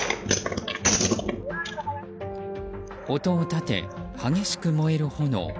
音を立て、激しく燃える炎。